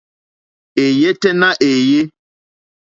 Èéyɛ́ tɛ́ nà èéyé.